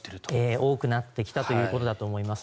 多くなってきたということだと思います。